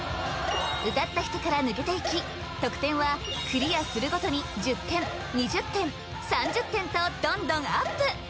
歌った人から抜けていき得点はクリアするごとに１０点２０点３０点とどんどんアップ！